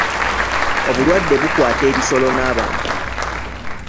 Obulwadde bukwata ebisolo n'abantu.